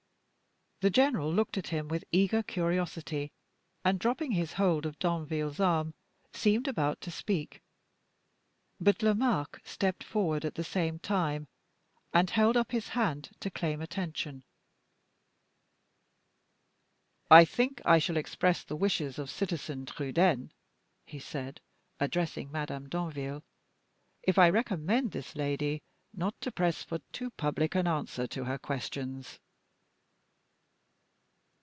The general looked at him with eager curiosity, and, dropping his hold of Danville's arm, seemed about to speak; but Lomaque stepped forward at the same time, and held up his hand to claim attention. "I think I shall express the wishes of Citizen Trudaine," he said, addressing Madame Danville, "if I recommend this lady not to press for too public an answer to her questions."